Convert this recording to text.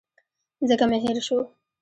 ځکه مي هېر شو .